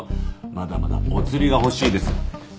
まだまだおつりが欲しいです。